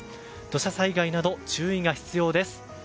土砂災害など注意が必要です。